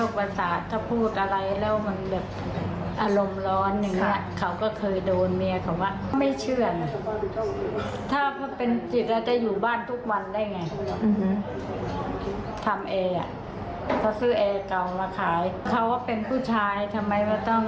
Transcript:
เขาว่าเป็นผู้ชายทำไมมาต้องหลังแก่ผู้หญิง